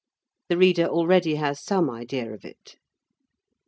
The reader already has some idea of it.